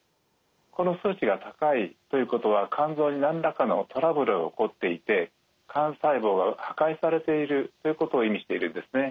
この数値が高いということは肝臓に何らかのトラブルが起こっていて肝細胞が破壊されているということを意味しているんですね。